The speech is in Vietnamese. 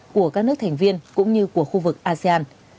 của các nước thành viên cũng như của khu vực asean